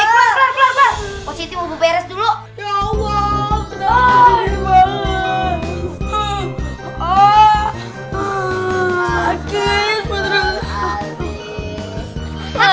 kalau sama hegel mau pasti aman